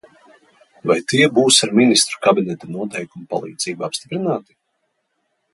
Vai tie būs ar Ministru kabineta noteikumu palīdzību apstiprināti?